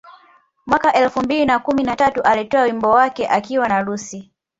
Mwaka elfu mbili na kumi na tatu alitoa wimbo wake akiwa na Lucci